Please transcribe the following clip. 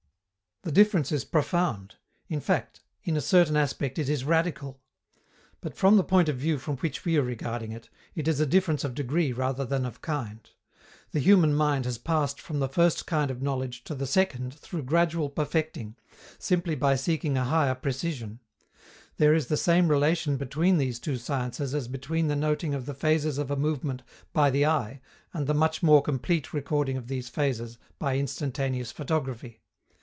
The difference is profound. In fact, in a certain aspect it is radical. But, from the point of view from which we are regarding it, it is a difference of degree rather than of kind. The human mind has passed from the first kind of knowledge to the second through gradual perfecting, simply by seeking a higher precision. There is the same relation between these two sciences as between the noting of the phases of a movement by the eye and the much more complete recording of these phases by instantaneous photography.